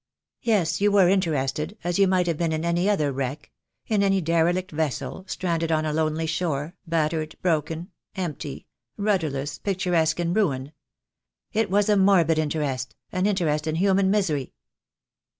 "Yes, you were interested, as you might have been in any other wreck — in any derelict vessel stranded on a lonely shore, battered, broken, empty, rudderless, pic turesque in ruin. It was a morbid interest, an interest in human misery."